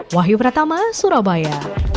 wahyu pratama surabaya